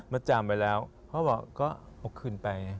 มาจำไว้แล้วเขาบอกก็เอาคืนไป